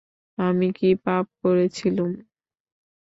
আমি কী পাপ করেছিলুম?